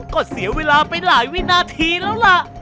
ก็เสียเวลาไปหลายวินาทีแล้วล่ะ